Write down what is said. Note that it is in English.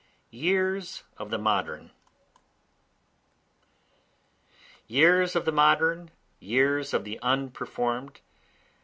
Years of the Modern Years of the modern! years of the unperform'd!